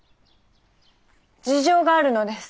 事情があるのです。